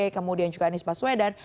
kemudian juga anies baswedan